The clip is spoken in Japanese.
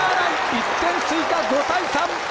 １点追加、５対３！